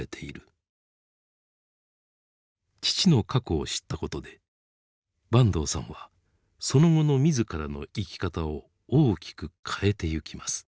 父の過去を知ったことで坂東さんはその後の自らの生き方を大きく変えてゆきます。